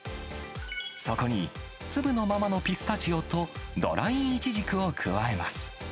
そこに粒のままのピスタチオとドライイチジクを加えます。